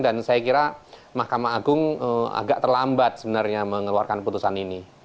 dan saya kira mahkamah agung agak terlambat sebenarnya mengeluarkan putusan ini